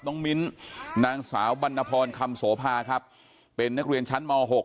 มิ้นนางสาวบรรณพรคำโสภาครับเป็นนักเรียนชั้นม๖